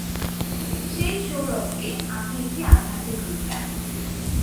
সেই সৌরভকে আপনি একটি আধ্যাত্মিক রূপ দেন।